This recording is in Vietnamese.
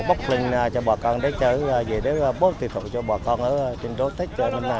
bốc linh cho bà con để chơi để bố tùy thụ cho bà con ở trên đô tết chơi lần này